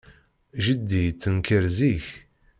Jeddi yettenkar zik.